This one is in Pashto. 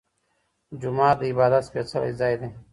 جومات د عبادت سپيڅلی ځای دی.